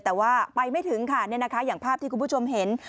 แต่ว่าไปไม่ถึงค่ะอย่างภาพที่คุณผู้ชมเห็น